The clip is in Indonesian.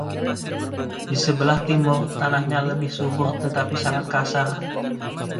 Di sebelah timur, tanahnya lebih subur, tetapi sangat kasar.